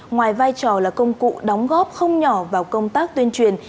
ngoài vai trò là công cụ đóng góp không nhỏ vào công tác tuyên truyền